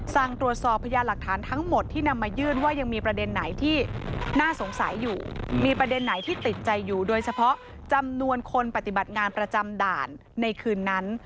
สั่งตรวจสอบพยานหลักฐานทั้งหมดที่นำมายื่นว่ายังมีประเด็นไหนที่น่าสงสัยอยู่มีประเด็นไหนที่ติดใจอยู่โดยเฉพาะจำนวนคนปฏิบัติงานประจำด่านในคืนนั้น